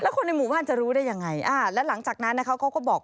แล้วคนในหมู่บ้านจะรู้ได้อย่างไรแล้วหลังจากนั้นเขาก็บอก